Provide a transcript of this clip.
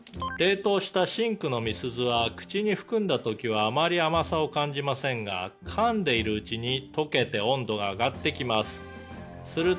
「冷凍した真紅の美鈴は口に含んだ時はあまり甘さを感じませんがかんでいるうちに溶けて温度が上がってきます」